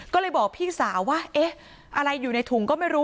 ก็เลยบอกพี่สาวว่าเอ๊ะอะไรอยู่ในถุงก็ไม่รู้